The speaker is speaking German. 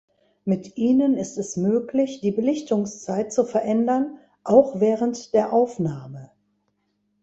Mit ihnen ist es möglich, die Belichtungszeit zu verändern, auch während der Aufnahme.